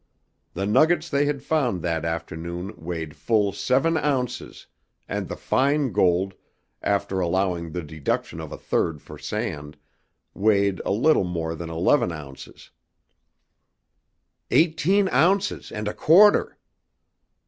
The nuggets they had found that afternoon weighed full seven ounces, and the fine gold, after allowing the deduction of a third for sand, weighed a little more than eleven ounces. "Eighteen ounces and a quarter!"